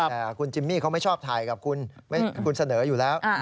แต่คุณจิมมี่เขาไม่ชอบถ่ายกับคุณเสนออยู่แล้ว